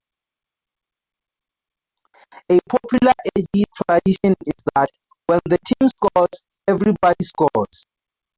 A popular Aggie tradition is that "when the team scores, everybody scores".